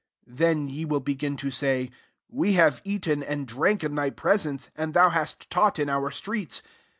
* 26 Then ye will begin to Bay, « We hav^ eaten and drank |n thy presence, and thou hast laught in our streets.'